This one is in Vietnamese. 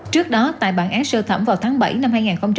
trước đó tại bản án sơ thẩm vào tháng bảy năm hai nghìn hai mươi